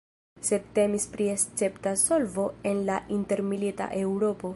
Sed temis pri escepta solvo en la intermilita Eŭropo.